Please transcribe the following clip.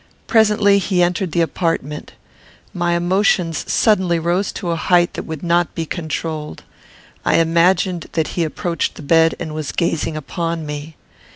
Presently he entered the apartment. My emotions suddenly rose to a height that would not be controlled. I imagined that he approached the bed, and was gazing upon me.